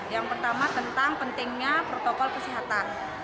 yang pertama tentang pentingnya protokol kesehatan